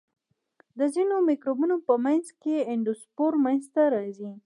د ځینو مکروبونو په منځ کې اندوسپور منځته راځي.